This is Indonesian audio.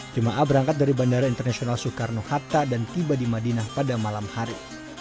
jemaah berangkat dari bandara internasional soekarno hatta dan tiba di madinah pada malam hari